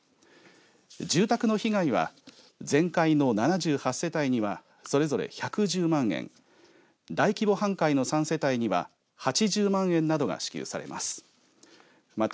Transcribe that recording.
住宅の被害は全壊の７８世帯にはそれぞれ１１０万円大規模半壊の３世帯には８０万円などが支給されます。